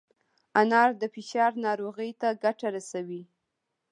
انار د فشار ناروغۍ ته ګټه رسوي.